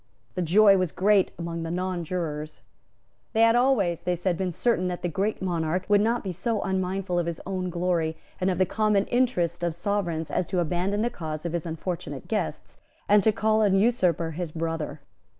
The joy was great among the nonjurors. They had always, they said, been certain that the Great Monarch would not be so unmindful of his own glory and of the common interest of Sovereigns as to abandon the cause of his unfortunate guests, and to call an usurper his brother.